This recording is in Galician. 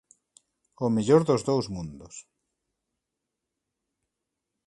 O mellor dos dous mundos.